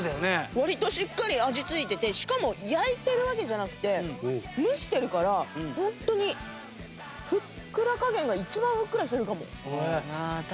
割としっかり味ついててしかも焼いてるわけじゃなくて蒸してるからホントにふっくら加減が一番ふっくらしてるかも。